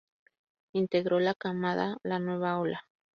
Integró la camada de "La Nueva Ola!